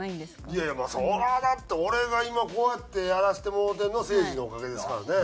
いやいやまあそれはだって俺が今こうやってやらせてもろうてるのはせいじのおかげですからね。